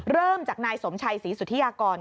เริ่มจากนายสมชัยศรีสุธิยากร